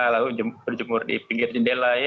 lalu berjemur di pinggir jendela